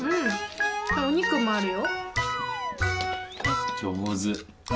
おにくもあるよ。